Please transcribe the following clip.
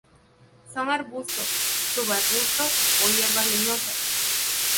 Son arbustos, subarbustos o hierbas leñosas.